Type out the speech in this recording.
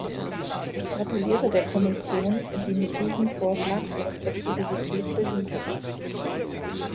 Ich gratuliere der Kommission, die mit diesem Vorschlag ihre Flexibilität bewiesen hat.